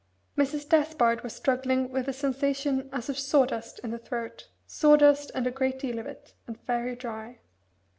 Mrs. Despard was struggling with a sensation as of sawdust in the throat sawdust, and a great deal of it, and very dry.